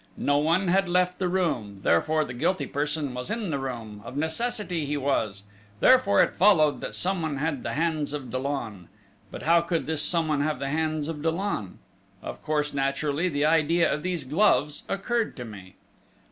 No one had left the room, therefore the guilty person was in the room of necessity he was: therefore, it followed, that someone had the hands of Dollon!... But how could this someone have the hands of Dollon?... Of course, naturally, the idea of these gloves occurred to me!..."